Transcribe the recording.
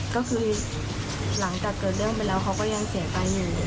ก็คือหลังจากเกิดเรื่องไปแล้วเขาก็ยังเสียใจอยู่